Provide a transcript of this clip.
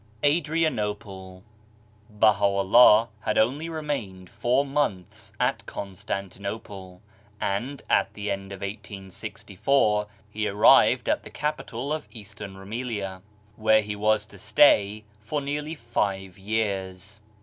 ADRIANOPLE Baha'u'llah had only remained four months at Constantinople, and at the end of 1864 he arrived at the capital of Eastern Rumelia, where he was to stay for nearly five years.